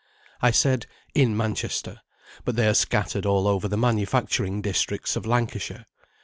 I said "in Manchester," but they are scattered all over the manufacturing districts of Lancashire.